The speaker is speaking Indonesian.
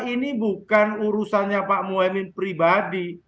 ini bukan urusannya pak muhaymin pribadi